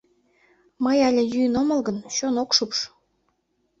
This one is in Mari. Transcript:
— Мый але йӱын омыл гын, чон ок шупш...